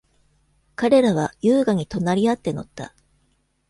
彼らは優雅に隣り合って乗った。